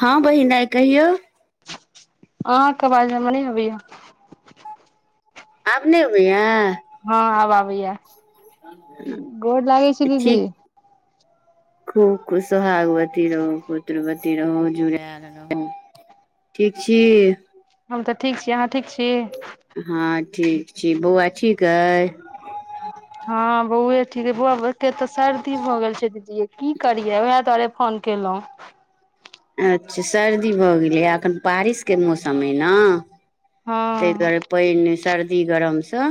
हँ बहिन आय कहियौ आहा के आबाज हमहर नहि आबै या आब नहि अबैया हँ आब आबैया गोर लागै छी दीदी ठीक खूब खुश सुहागवती रहू पुत्रवती रहु जुड़ल रहू ठीक छि हम तऽ ठीक छी अहाँ ठीक छी हँ ठीक छी बौआ ठीक अइ हँ बौए ठीक है बौआ के तऽ सर्दी भऽ गेल छै दीदीए की करियै उएह दुआरे द्वारे फोन केलहुँ अच्छा सर्दी भऽ गेलैए अखन बारिशके मौसम अइ नऽ तहि हँ दुआरे पैन मऽ सर्दी गरमसँ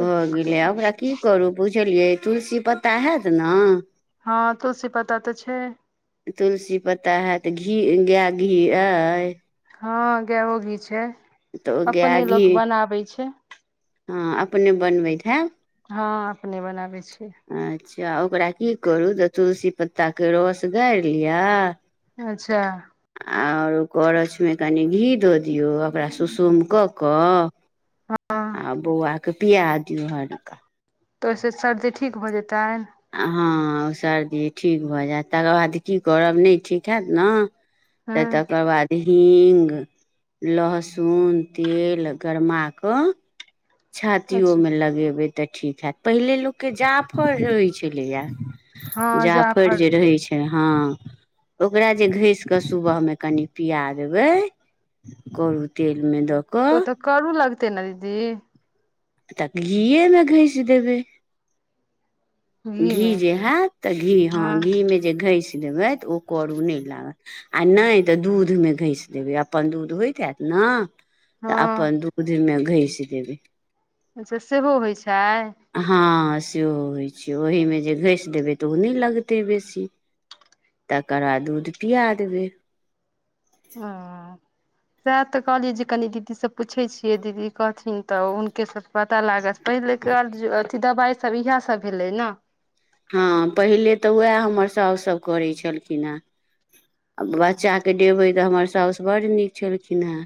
तऽ गेलै आ ओकरा की करू बुझलियै तुलसी पत्ता हैत नऽ हँ तुल्सी पता तऽ छै तुलसी पत्ता हैत घी गाय घी अइ हँ गायो घी छै तऽ ओ गाय अपने घी लोक बनाबै छै हँ अपने बनबैत हैत हँ अपने बनाबै छै अच्छा ओकरा की करू त तुलसी पत्ता के रस गैर लिअ अच्छा ओर करोछ मे कनि घी दऽ दियौ ओकरा सुसुम कऽ क हँ आ बौआके पिया दियऔ हल्का तऽ ओहिसँ सर्दी ठीक भऽ जेतन हँ ओ सर्दी ठीक भऽ जायत तकर बाद की करब नहि ठीक हैत नऽ तऽ हँ तकर बाद हिंग लहसुन तेल गरमा कऽ अच्छा छातियओमे लगेबै तऽ ठीक हैत पहिले लोकके जाफर होइत छलैए जाफर जे रहै छै हँ ओकरा जे घेस के सुबहमे कनि पिआ देबै करू तेलमे दऽ कऽ उ तऽ करू लगतै न दीदी तऽ घीएमे घेस देबै घी जे होयत तऽ घी हँ घीमे जे घसे देबै तऽ ओ करू नहि लागत आ नहि तऽ दूधमे घेइस देबै अपन दूध होइत हत न तऽ हँ अपन दूध दूध मऽ घैस देबे अच्छा सेहो होइ छै हँ सेहो होइ छै ओहीमे जे घेस देबै तऽ ओ नहि लगतै बेसी तकरबाद दूध पिआ देबै आ सएह तऽ कहलियै जे कनि दीदी से पूछे छिये दीदी कहथिन तऽ हुनके सब पता लागत पहिलेके अथी दबाइसभ इएह सभ भेलै नऽ हँ पहिले तऽ उएह हमर साउस सभ करैत छलखिन हैं आ बच्चाके देबै तऽ हमर सासु बड्ड नीक छलखिन हँ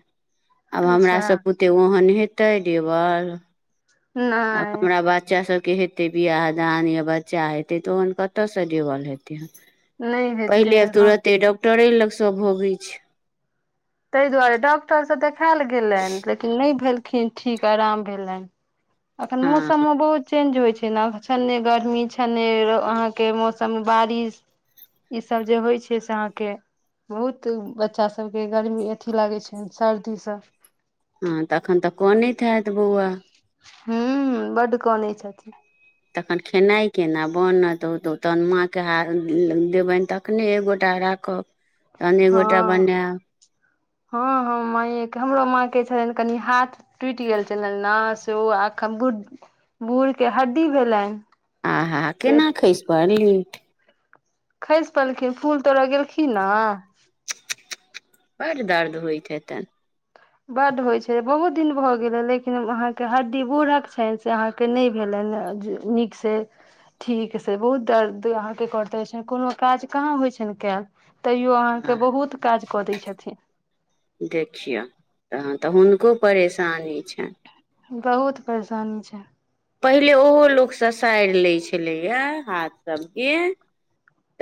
आब हमरा अच्छा सभ बुते ओहन होतै देबल [inaudible] आ हमरा बच्चा सब के हेतै बियाह दान या बच्चा हेतै तऽ ओहन कतयसँ देबल हेतै नहि हेतै पहिले हँ तुरत्ते डॉक्टरे लग सब भोगै छै ताहि दुआरे डॉक्टर स देखायल गेलनि लेकिन नहि भेलखिन ठीक आराम भेलनि अखन हँ मौसम म बहुत चेंज होय छै न छन्न्हे गरमी छन्न्हे अहाँके मौसम मे बारिश ई सब जे होइ छै से अहाँके बहुत बच्चा सब के गरमी अथी लागै छै सर्दीसँ हँ तऽ अखन तऽ कनैत हाएत बौआ हू बड कानै छथिन तखन खेनाइ केना बनत तऽ तहन माँके देबैन तखने एक गोटा राखब तन एक गोटा हँ बएब हँ हँ माइये के हमरो माँ के छलनि कनि हाथ टूईट गेल छै न से ओ अखन बुढ़ बूढ़ के हड्डी भेलनि आहाहा से केना खैस परलै खैस परलखिन फूल तोड़ गेलखिन न बड दर्द होइत हेतनि बड्ड होइ छलै बहुत दिन भऽ गेलै लेकिन अहाँके हड्डी बूढ़क छनि से अहाँके के नयी भेलनि जे नीकसे ठीक से बहुत दर्द अहाँके करते छै कोनो काज कहाँ होइ छनि कैयल तैयो आ अहाँके बहुत काज कऽ दै छथिन देखियौन तहन तऽ हुनको परेशानी छनि बहुत परेशानी छै पहिले ओहो लोक ससाईर लै छलैया हाथ सभके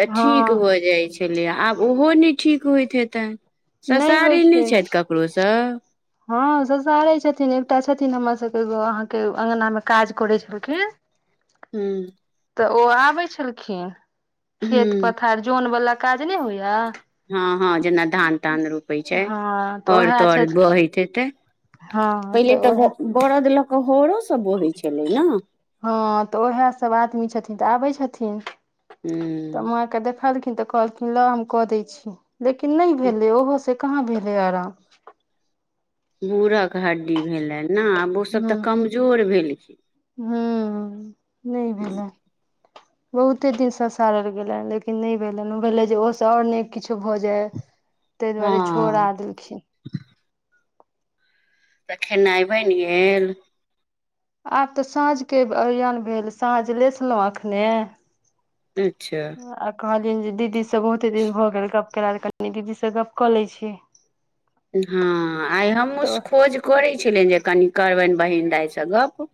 तऽ ठीक हँ भऽ जाइत छलै आब ओहो नहि ठीक होइत हेतनि नहि होइ ससारी नयी छै छथि ककरोसँ हँ ससारै छथिन एकटा छथिन हमर सबके एगो अहाँके अंगना मे काज करै छलखिन हू तऽ ओ आबै छलखिन खेत हुँ पथार जोन वाला काज नहि होइया हँ हँ जेना धान तान रोपै छै हँ तऽ हर उएह तर छथि बहैत हेते हँ तऽ तऽ ब उएह बरद लऽ कऽ हरो सब बोहै छलै ने हँ तऽ उएह सभ आदमी छथिन तऽ आबै छथिन तऽ हुँ माँके देखलखिन तऽ कहलखिन लाउ हम कऽ दै छी लेकिन नहि भेलै ओहो से कहाँ भेलै आराम बूढ़क हड्डी भेलैन न आब ओ सब ह तऽ कमजोर हूँ नहि भेलखिन भेलनि [inaudible] [inaudible] बहुते दिन ससारल गेलए लेकिन नहि भेलनि ओ ओसँ और नहि किछो भऽ जाय [inaudible] [inaudible] तैई दुआरे छोड़ा हँ देलखिन तऽ खेनाइ बैन गेल आब तऽ साँझके ओरियान भेल साँझ लेसलौं अखने अच्छा आ कहलियनि जे दीदी से बहुते दिन भऽ गेल गप केला [unintelligible] त कनि दीदी से गप कऽ लै छी हँ आइ हमहुं स तऽ खोज करै छलियनि जे कनि करबनि बहिन दायसँ गप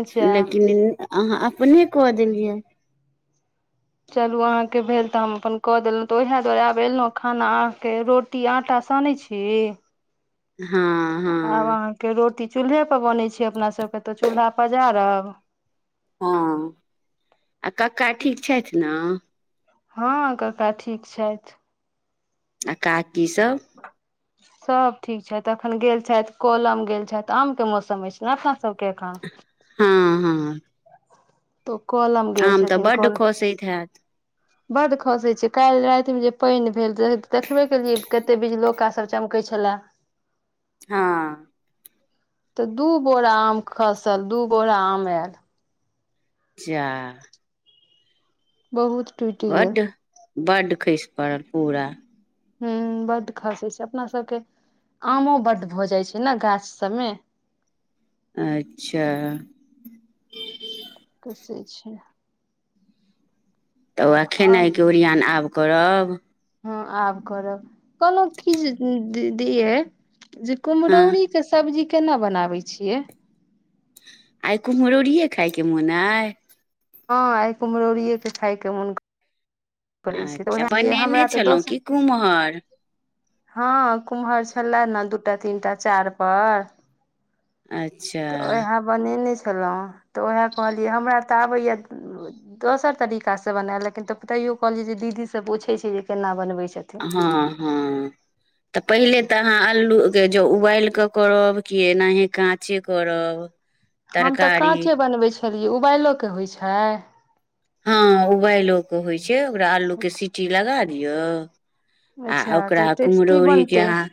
अच्छा लेकिन अहाँ अपने कऽ देलियै चलू अहाँके भेल तऽ हम अपन कऽ देलहुँ तऽ उएह दुआरे आब एलहुँ खाना अहाँके रोट ई आंटा सनै छी [inaudible] हँ आब हँ अहाँके रोटी चूल्हे पर बन छै अपना सबके तऽ चूल्हा पजारब हँ आ कक्का ठीक छथि न हँ कक्का ठीक छथि आ काकी सब सब ठीक छथि अखन गेल छथि कलम गेल छथि आम के मौसम अछि रत्ना सबके एखन हँ हँ तऽ ओ कलम गेल आम तऽ छथिन बड्ड कल खसैत हैत बड्ड खसै छै काल्हि राति मे जे पानि भेल तऽ देखबे केलियै कतेक बीजलौका सभ चमकै छलए हँ तऽ दू बोरा आम खसल दू बोरा आम आयल छिया बहुत टूटि गेल बड्ड बड्ड खसि पडल पूरा हं बड खसे छै अपना सबके आमो बड भऽ जाइ छै नें गाछ सबमे अच्छा कसै छै तऽ आओर खेनाइके ओरियन आब करब हँ आब करब कहलहुँ की जे दी दिये जे हँ कुम्हरौरी के सब्जी केना बनाबे छियै आइ कुम रौड़िये खायके मोन अइ हँ आइ कुमहरौरिय के खाय के मोन क पै छै तऽ अच्छा ओह बनेने हमरा तऽ छलहुँ की दोसर कुम्हर हँ कुम्हर छलै ने दूटा तीन टा चारि पर अच्छा तऽ उएह बनेने छलहुँ तऽ उएह कहलियै हमरा तऽ आबैए दोसर तरीकासँ बनायल लेकिन तऽ तेयो कहलियै जे दीदीसँ पूछैत छै जे केना बनबैत छथिन हँ हँ तऽ पहिले ते अहाँ अलू के जो उबाल क करब क एनाहे काँचे करब [inaudible] हम तऽ काँचे बनबैत छलियै उबाइलो के होइत छै हँ उबालओ के होइ छै ओकरा आलू के सीटी लगा दियअ आ अच्छा ओकरा तऽ टेस्टी कुम्हरौरी के बनतै यहाँ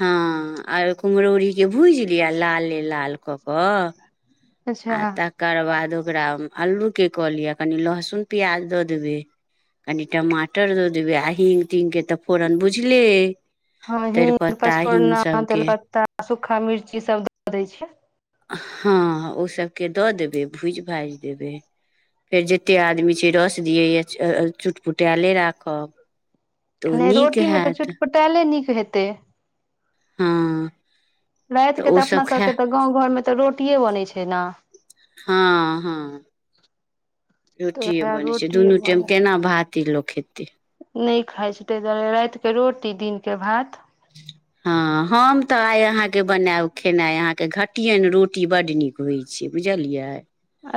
हँ आ कुम्हरौड़ीके भूजि लिअ लाले लाल कऽ कऽ अच्छा आ तकर बाद ओकरा अलूके कऽ लिअ कनि लहसुन प्याज दऽ देबै कनि टमाटर दऽ देबै आ हीङ् तींगके तऽ फोरन बुझले अइ हँ ही तेजपत्ता हिंग पचफोरना सबके तेलपत्ता सूखा मिर्ची सब द दै छै हँ ओ सभके दऽ देबै भूजि भाजि देबै फेर जतेक आदमी छै रस दियैए चुटपुटायले राखब तऽ ओ नहि नीक रोटीमे तऽ हैत चुटपुटायले नीक हेतै हँ रातिके तऽ ओसभ अपना खाय सबके तऽ गाँव घरमे तऽ रोटिे बनैत छै न हाँ हाँ तऽ रोटिए वएह बनै छै रोटिये दुनू टाइम बनल केना भाते लोक खेतै नहि खाइ छै ताहि दुआरे रातिके रोटी दिनके भात हँ हम तऽ आइ अहाँके बनायब खेनाइ अहाँके घटियेन रोटी बड नीक होई छै बुझलियै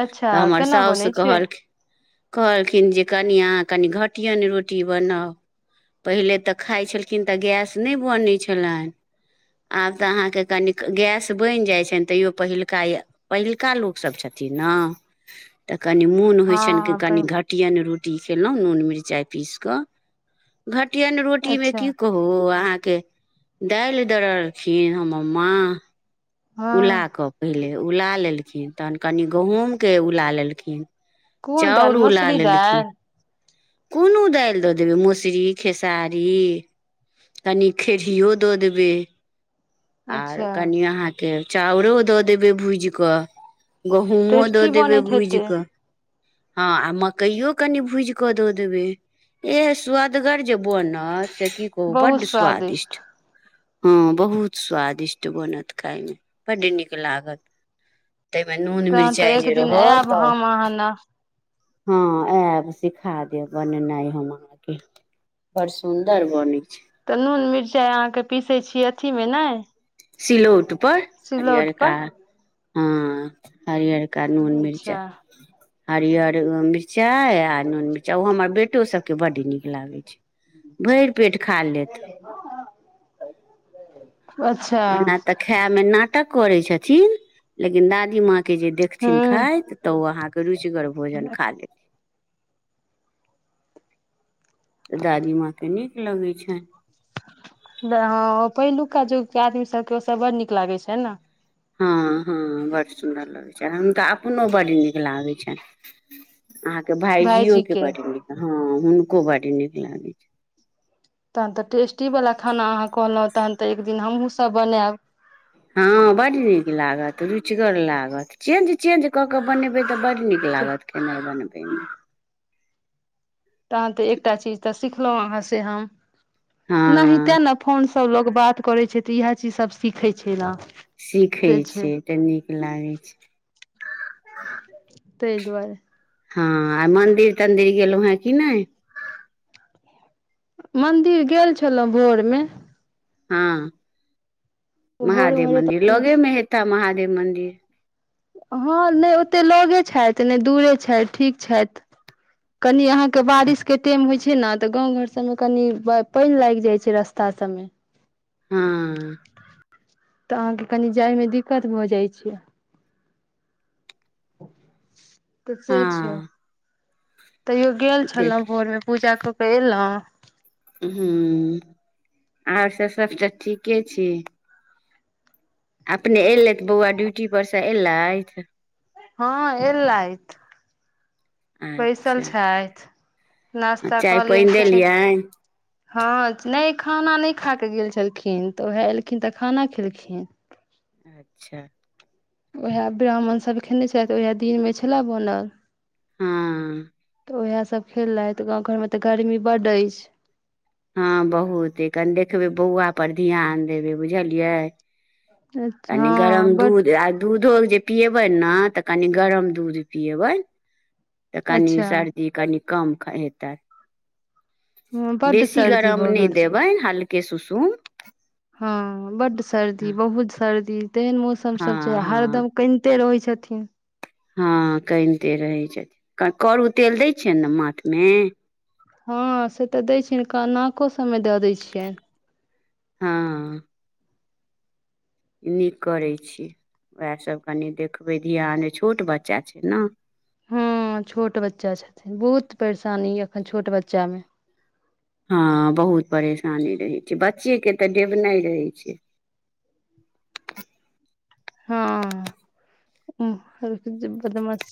अच्छा तऽ हमर केना साउस बनै छै कहलखिन कहलखिन जे कनि अहाँ कनि घटिअनि रोटी बनाउ पहिले तऽ खाइ छलखिन तऽ गैस नहि बनै छलनि आब तऽ अहाँके कनि गैस बनि जाइ छनि तैओ पहिलुका यए पहिलका लोकसभ छथिन नऽ तऽ कनि मोन होइ छनि कनि हँ घटियनि रोटी खयलहुँ नून मिरचाइ पीसि कऽ घटियन रोटी मे अच्छा की कहू आ अहाँके दालि दररथिन हमर माँ हँ उला कऽ पहिले उला लेलखिन तखन कनि गेहूमके कनि उला लेलखिन कोन चाउर दालि उला मसुरी लेलखिन दालि कोनो दालि दऽ देबै मसुरी खेसारी कनी खेरियओ दऽ देबै आर अच्छा कनि अहाँके चाउरो दऽ देबै भूजि कऽ गहुंमो टेस्टी दऽ देबै बनैत भूज हेतै कऽ हाँ आ मकइयो कनि भुजि कऽ दऽ देबै एह स्वदगर जे बनत से की कहू बड्ड स्वादिष्ट हँ बहुत स्वादिष्ट बनत खाययमे बड्ड नीक लागत ताहिमे नून तहन तऽ मिर्चाइ एक जे दिन रहत आयब तऽ हम अहाँ न हँ आयब सिखा देब बनेनाइ हम अहाँके बड़ सुन्दर बनै छै तऽ नून मिरचाइ अहाँके पीसै छीये अथीमे नहि सिलौटपर हरियरका पर हाँ हरियरका नून मिर्चा अच्छा हरियर मिर्चाइ आ नून मिरचा ओ हमर बेटो सबके बड नीक लागे छै भरि पेट खा लेत [inaudible] अच्छा एना तऽ खाय में नाटक करे छथिन लेकिन दादी माँ कऽ देखथिन हूँ खाइत तऽ अहाँके रुचिगर भोजन खा लेत दादी माँ के नीक लगै छनि नहीं हँ पहिलुका जुग के आदमी सबके ओ सब बड़ नीक लागे छैन नऽ हँ हँ बड्ड सुन्दर लगै छनि हुनकऽ अपनो बड्ड नीक लागै छनि अहाँ के भाईजियो के बड नीक हँ हुनको बड नीक लागैत छै तहन तऽ टेस्टी वाला खाना अहाँ कहलहुँ तहन तऽ एक दिन हमहुँसभ बनायब हँ बड नीक लागत रुचगर लागत चेंज चेंज कऽ के बनेबे तऽ बड नीक लागत खेनाइ बनबैमे तहन तऽ एकटा चीज तऽ सिखलहुँ अहाँ से हम नही हँ तें ने फोनसँ लोक स बात करै छै तऽ इएह चीज सब सिखै छै नऽ सीखै छियै तऽ नीक लागै छै तऽहि दुआरे हँ आ मंदिर तंदिर गेलहु हें कि नहि मंदिर गेल छलहुँं भोर मऽ हाँ भोरे महादेव भोरे मन्दिर तऽ लोगे मे हैता महादेव मन्दिर हँ नहि ओते लगे छथि नहि दूरे छथि ठीक छथि कनि अहाँ के बारिश के टाइम होय छै ने तऽ गाँंव घर सब मे कनी पानि लागि जाए छै रस्ता सब में [unintelligible] [unintelligible] तऽ अहाँ के कनि जाइमे दिक्कत भऽ जाइत छै [inaudible] तऽ से छै हँ तैयो गेल देख छलहुँ भोर मे पूजा कऽ के एलहुँ ह [inaudible] आर सब सबटा ठीके छी अपने एयलै तऽ बौआ ड्यूटी पर से एलैथ हँ एलैथ बैसल अच्छा छैथ नास्ता चाय कहलिय पानि किछ देलियनि [inaudible] हँ नहि खाना नहि खा कऽ गेल छलखिन तऽ उएह एलखिन तऽ खाना खेलखिन अच्छ ओएह ब्राह्मण सब खेने छलैथ ओएह दिनमे छल बनल हँ ओएह सभ खेलैथ गाँव घरमे तऽ गर्मी बडअछि हँ बहुत कनी देखबै बौआ पर ध्यान देबै बुझलियै कनी गरम हँ बड्ड दूध आ दूधो जे पिएबै ने तऽ कनी गरम दूध पियेबै तऽ कनि अच्छा सर्दी कनि कम क हैतै [inaudible] बड्ड बैसी सर्दी गरम भऽ नय गेल दे छै बैन हल्के सुसुम हँ बड हँ सर्दी बहुत सर्दी तेहन मौस सब छै हँ हरदम कनिते रहै छथिन हँ कनिते रहै छथिन करू तेल दै छियनि ने माथ मे हँ से तऽ दै छियनि का नाको सभमे दऽ दै छियनि हँ नीक करैत छी उएहसभ कनि देखबै ध्यान छोट बच्चा छै ने ह छोट बच्चा छथिन बहुत परेशानी य अखन छोट बच्चा मे हँ बहुत परेशानी रहैत छै बच्चे के तऽ डेबना रहे छै हँ [unintelligible]